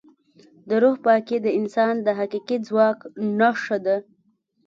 د روح پاکي د انسان د حقیقي ځواک نښه ده.